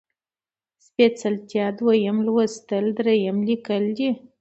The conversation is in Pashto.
سپېڅلتيا ، دويم لوستل ، دريم ليکل دي